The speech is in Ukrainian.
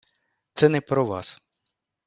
Це не про Вас.